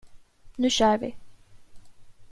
Nu kör vi.